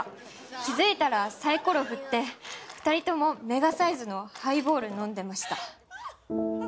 気付いたらサイコロ振って２人ともメガサイズのハイボール飲んでました。